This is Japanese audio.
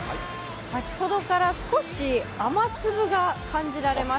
先ほどから少し雨粒が感じられます。